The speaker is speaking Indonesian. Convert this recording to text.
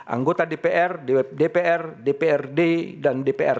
anggota dpr dpr dprd dan dprd kabupaten dprd kabupaten dan dprd kabupaten